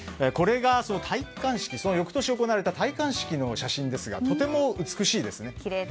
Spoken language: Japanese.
これが翌年行われた戴冠式の写真ですが、とても美しいですね。